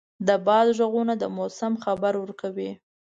د باد ږغونه د موسم خبر ورکوي.